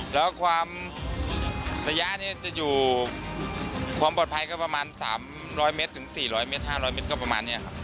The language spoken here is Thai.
แล้วความระยะนี้จะอยู่ความปลอดภัยก็ประมาณ๓๐๐เมตรถึง๔๐๐เมตร๕๐๐เมตรก็ประมาณนี้ครับ